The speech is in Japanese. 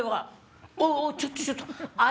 おちょっとちょっと。